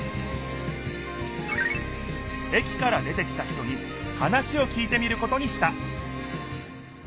駅から出てきた人に話をきいてみることにした